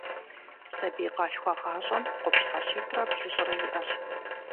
Сабий къалъхуагъащӏэм къупщхьэ щитӏрэ блыщӏрэ иӏэщ.